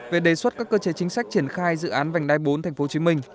về đề xuất các cơ chế chính sách triển khai dự án vành đai bốn tp hcm